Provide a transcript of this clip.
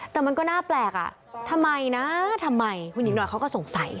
แต่มันก็น่าแปลกอ่ะทำไมนะทำไมคุณหญิงหน่อยเขาก็สงสัย